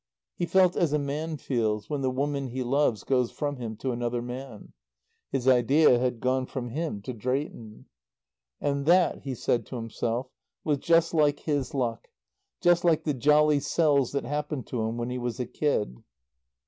He felt as a man feels when the woman he loves goes from him to another man. His idea had gone from him to Drayton. And that, he said to himself, was just like his luck, just like the jolly sells that happened to him when he was a kid.